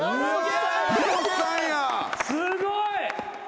すごい！